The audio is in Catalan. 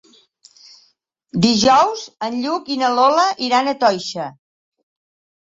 Dijous en Lluc i na Lola iran a Toixa.